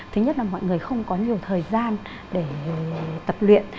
thứ nhất là mọi người không có nhiều thời gian để tập luyện